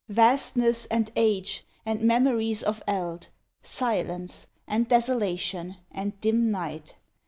Vastness! and Age! and Memories of Eld! Silence! and Desolation! and dim Night!